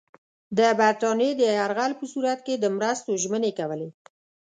د برټانیې د یرغل په صورت کې د مرستو ژمنې کولې.